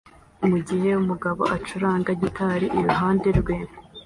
mugihe umugabo acuranga gitari iruhande rwe